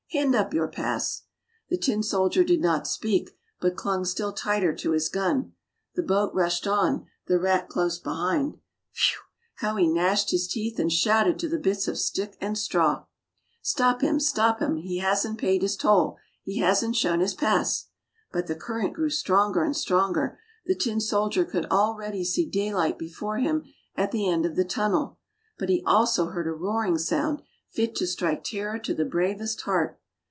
"Hand up your pass! " The tin soldier did not speak, but clung still tighter to his gun. The boat rushed on, the rat close behind. Phew, how he gnashed his teeth and shouted to the bits of stick and straw, —" Stop him, stop him, he hasn't paid his toll; he hasn't shown his pass! " But the current grew stronger and stronger, the tin soldier could already see daylight before him at the end of the tunnel; but he also heard a roaring sound, fit to strike terror to the bravest heart.